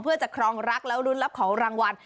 เพื่อจะครองรักแล้วรุ้นรับของรางวัล